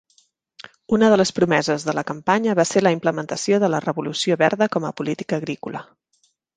Una de les promeses de la campanya va ser la implementació de la Revolució Verda com a política agrícola.